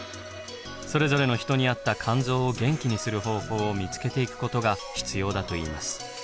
それぞれの人に合った肝臓を元気にする方法を見つけていくことが必要だといいます。